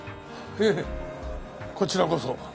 いえこちらこそ。